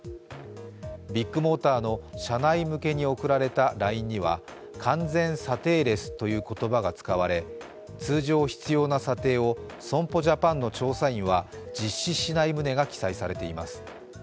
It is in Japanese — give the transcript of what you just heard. ビッグモーターの社内向けに送られたＬＩＮＥには完全査定レスという言葉が使われ、通常必要な査定を損保ジャパンの調査員は実施しない旨が記載されています。